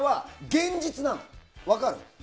現実なの、分かる？